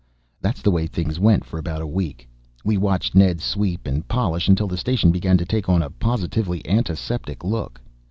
That's the way things went for about a week. We watched Ned sweep and polish until the station began to take on a positively antiseptic look.